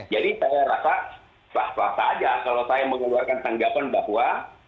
jadi saya rasa bahwa saja kalau saya mengeluarkan tanggapan bahwa